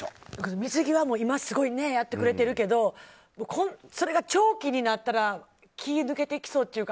水際も今すごいやってくれているけどそれが長期になったら気が抜けてきそうというか。